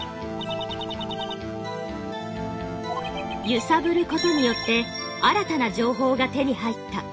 「ゆさぶる」ことによって新たな「情報」が手に入った。